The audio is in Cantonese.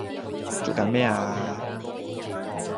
做緊咩呀